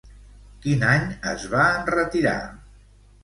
Quin any es va enretirar?